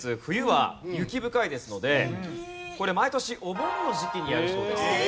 冬は雪深いですのでこれ毎年お盆の時期にやるそうです。